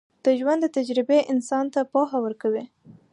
د ژوند تجربې انسان ته پوهه ورکوي.